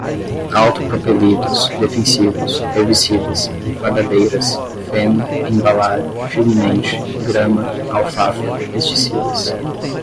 autopropelidos, defensivos, herbicidas, enfardadeiras, feno, embalar, firmemente, grama, alfafa, pesticidas